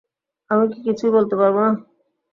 আমি কি কিছুই বলতে পারবো না?